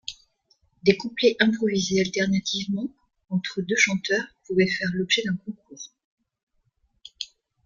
Les couplets improvisés alternativement entre deux chanteurs pouvaient faire l'objet d'un concours.